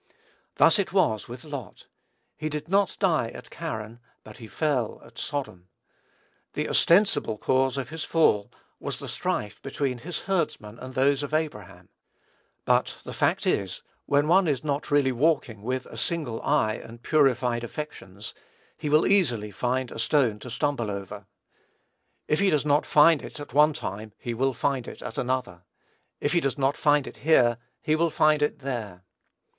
Thus it was with Lot. He did not die at Charran; but he fell at Sodom. The ostensible cause of his fall was the strife between his herdmen and those of Abraham; but the fact is, when one is not really walking with a single eye and purified affections, he will easily find a stone to stumble over. If he does not find it at one time, he will at another. If he does not find it here, he will find it there.